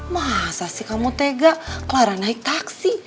masa sih kamu tega clara naik taksi